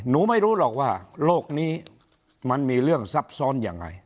ไม่รู้หรอกว่าโลกนี้มันมีเรื่องซับซ้อนยังไง